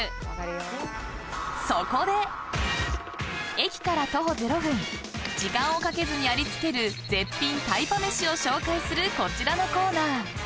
駅から徒歩０分時間をかけずにありつける絶品タイパ飯を紹介するこちらのコーナー。